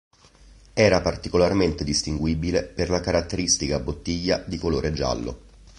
Era particolarmente distinguibile per la caratteristica bottiglia di colore giallo.